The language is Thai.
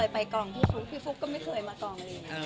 พี่ฟุ๊กก็ไม่เคยไปกรงที่กอง